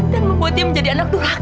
dan membuat dia menjadi anak durakan